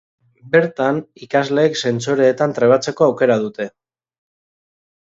Bertan, ikasleek sentsoreetan trebatzeko aukera dute.